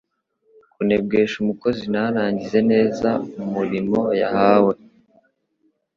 kunebwesha umukozi ntarangize neza umurimo yahawe.